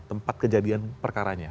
tempat kejadian perkaranya